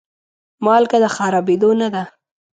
مالګه د خرابېدو نه ده.